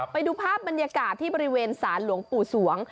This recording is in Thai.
ไปดูภาพบรรยากาศที่บริเวณศาลหลวงปู่สวง